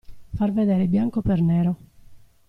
Far vedere bianco per nero.